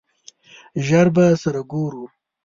ژر به سره ګورو!